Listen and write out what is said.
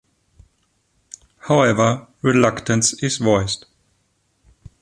However, reluctance is voiced.